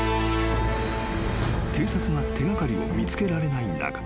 ［警察が手掛かりを見つけられない中］